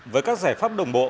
với các giải pháp đồng bộ